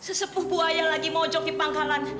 sesebuah buaya lagi mau jok di pankalan